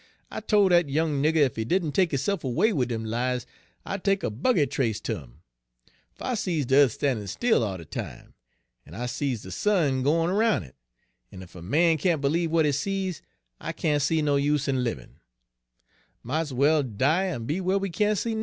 I tol' dat young nigger ef he didn' take hisse'f 'way wid dem lies, I'd take a buggy trace ter 'im; fer I sees de yeath stan'in' still all de time, en I sees de sun gwine roun' it, en ef a man can't b'lieve w'at 'e sees, I can't see no use in libbin' mought's well die en be whar we can't see nuffin.